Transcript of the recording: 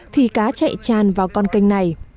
thì cá chạy tràn vào con kênh này